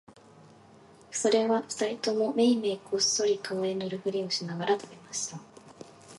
それは二人ともめいめいこっそり顔へ塗るふりをしながら喰べました